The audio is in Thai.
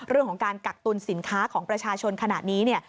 เรื่องของการกักตุลสินค้าของประชาชนขนาดนี้เนี่ย